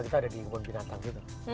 kita ada di kebun binatang gitu